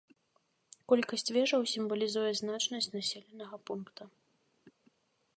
Колькасць вежаў сімвалізуе значнасць населенага пункта.